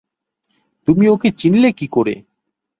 তুমি ওকে চিনলে কি কোরে?